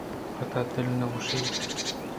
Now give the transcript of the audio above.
پدا دل نہ گوٛشیت